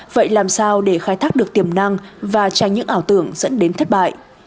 vậy làm sao để khai thác được tiềm năng và tránh những ảo tưởng dẫn đến thất bại